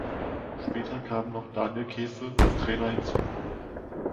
Später kam noch Daniel Keefe als Trainer hinzu.